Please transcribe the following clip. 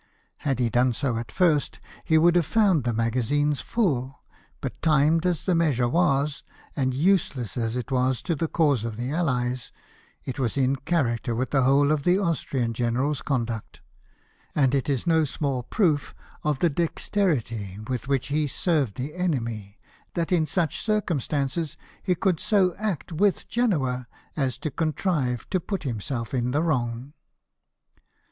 Had he done so at first, he would have found the magazines full ; but timed as the measure was, and useless as it was to the cause of the Allies, it was in character with the whole of the Austrian general's conduct ; and it is no small proof of the dexterity with which he served the enemy that in such circum stances he could so act with Genoa as to contrive to put himself in the wrong.